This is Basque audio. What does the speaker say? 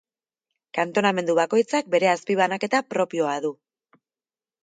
Kantonamendu bakoitzak bere azpibanaketa propioa du.